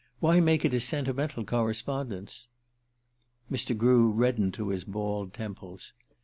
Why make it a sentimental correspondence?" Mr. Grew reddened to his bald temples.